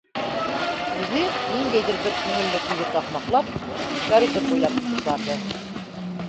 Үҙе, ниндәйҙер бер күңелле көйҙө таҡмаҡлап, коридор буйлап китеп барҙы.